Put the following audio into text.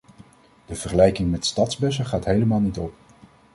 De vergelijking met stadsbussen gaat helemaal niet op.